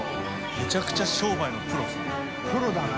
めちゃくちゃ商売のプロですね。